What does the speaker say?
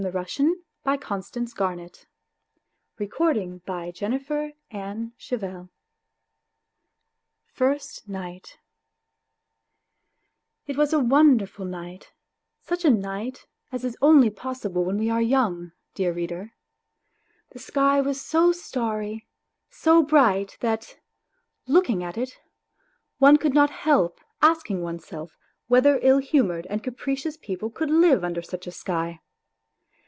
PROHARTCHIN WHITE NIGHTS A SENTIMENTAL STORY FROM THE DIARY OF A DREAMEB FIRST NIGHT IT was a wonderful night, such a night as is only possible when we are young, dear reader. The sky was so starry, so bright that, looking at it, one could not help asking oneself whether ill humoured and capricious people could live under such a sky.